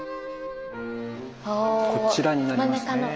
こちらになりますね。